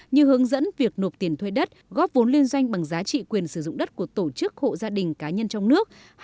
như hướng dẫn việc nộp tiền thuê đất góp vốn liên doanh bằng giá trị quyền sử dụng đất của tổ chức hộ gia đình cá nhân trong nước